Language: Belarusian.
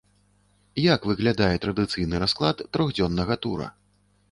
Як выглядае традыцыйны расклад трохдзённага тура?